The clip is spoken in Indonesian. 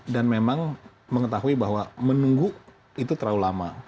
dan memang mengetahui bahwa menunggu itu terlalu lama